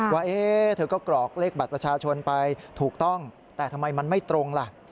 ว่าเธอก็กรอกเลขบัตรประชาชนไปถูกต้องแต่ทำไมมันไม่ตรงล่ะ